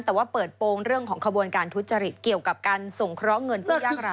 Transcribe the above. แต่ว่าเปิดโปรงเรื่องของขบวนการทุจริตเกี่ยวกับการส่งเคราะห์เงินผู้ยากร้าย